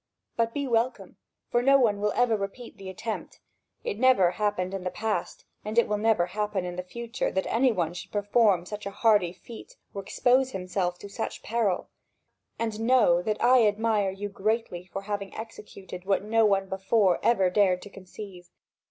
But be welcome, for no one will ever repeat the attempt: it never happened in the past, and it will never happen in the future that any one should perform such a hardy feat or expose himself to such peril. And know that I admire you greatly for having executed what no one before ever dared to conceive.